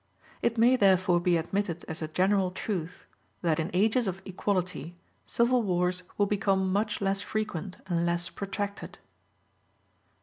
It may therefore be admitted as a general truth, that in ages of equality civil wars will become much less frequent and less protracted.